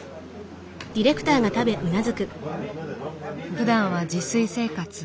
ふだんは自炊生活。